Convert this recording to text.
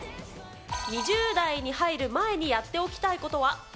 ２０代に入る前にやっておきたいことは？